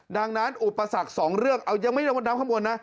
ดังนั้นอุปสรรคสองเรื่องเอายังไม่หมดน้ำข้างบนนะ